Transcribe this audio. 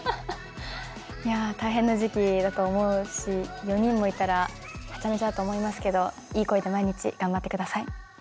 いやあ大変な時期だと思うし４人もいたらハチャメチャだと思いますけどいい声で毎日頑張ってください。